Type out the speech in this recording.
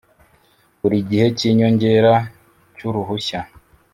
Buri gihe cy inyongera cy uruhushya